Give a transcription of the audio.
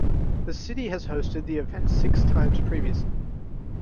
The city has hosted the event six times previously.